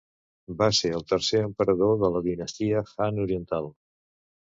Va ser el tercer emperador de la Dinastia Han Oriental.